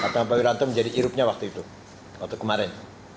karena pak wiranto menjadi irupnya waktu itu waktu kemarin